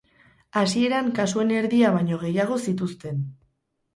Hasieran, kasuen erdia baino gehiago zituzten.